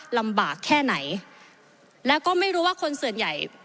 ลำบากแค่ไหนแล้วก็ไม่รู้ว่าคนส่วนใหญ่